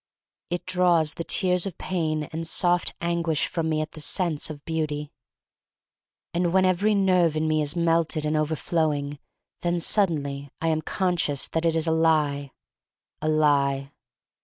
It draws the tears of pain and soft anguish from me at the sense of beauty. And when every nerve in me is melted and overflowing, then suddenly I am conscious that it is a lie — a lie.